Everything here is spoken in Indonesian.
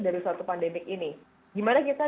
dari suatu pandemik ini gimana kita